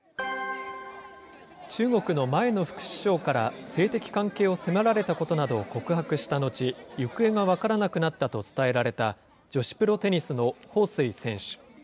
中国の前の副首相から性的関係を迫られたことなどを告白した後、行方が分からなくなったと伝えられた女子プロテニスの彭帥選手。